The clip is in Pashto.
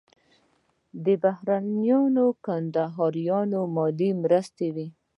د بهرنیو کندهاریو مالي مرستې وې.